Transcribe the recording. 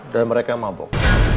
dan mereka mabok